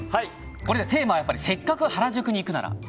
テーマはせっかく原宿に行くなら。